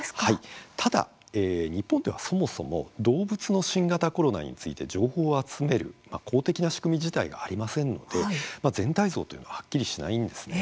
ただ、日本では、そもそも動物の新型コロナについて情報を集める公的な仕組み自体がありませんので全体像というのははっきりしないんですね。